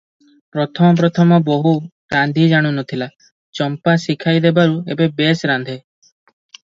ପ୍ରଥମ ପ୍ରଥମ ବୋହୂ ରାନ୍ଧି ଜାଣୁ ନ ଥିଲା, ଚମ୍ପା ଶିଖାଇ ଦେବାରୁ ଏବେ ବେଶ୍ ରାନ୍ଧେ ।